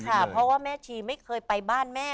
เพราะว่าแม่ชีไม่เคยไปบ้านแม่